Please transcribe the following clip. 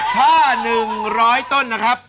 ถ้า๑๐๐ต้นนะครับ